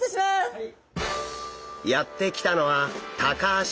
はい。